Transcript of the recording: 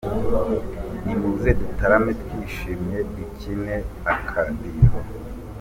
Nimuze dutarame, twishime, ducinye akadiho.